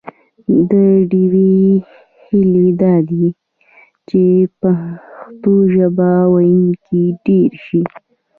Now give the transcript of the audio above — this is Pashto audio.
د ډیوې هیله دا ده چې پښتو ژبه ویونکي ډېر شي